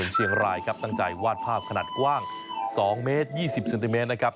เชียงรายครับตั้งใจวาดภาพขนาดกว้าง๒เมตร๒๐เซนติเมตรนะครับ